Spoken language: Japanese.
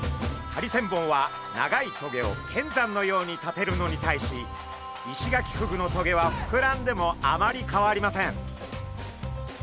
ハリセンボンは長い棘を剣山のように立てるのに対しイシガキフグの棘は膨らんでもあまり変わりません。